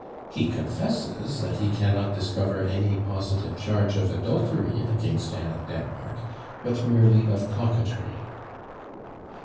He confesses that "he cannot discover any positive charge of adultery against Anne of Denmark, but merely of coquetry."